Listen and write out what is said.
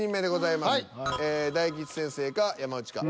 大吉先生か山内か。